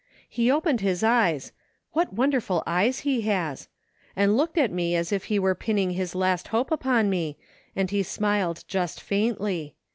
He opened his eyes — what wonderful eyes he has! — ^and looked at me as if he were pinning his last hope upon me, and he smiled just faintly.